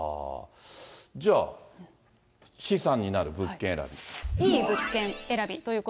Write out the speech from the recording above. じゃあ、資産になる物件選び。